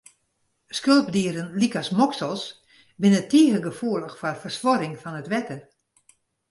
Skulpdieren lykas moksels, binne tige gefoelich foar fersuorring fan it wetter.